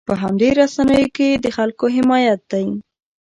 په همدې رسنیو کې د خلکو حمایت دی.